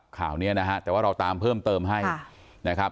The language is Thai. ข่าวนี้นะฮะแต่ว่าเราตามเพิ่มเติมให้นะครับ